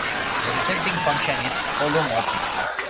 The resulting function is holomorphic.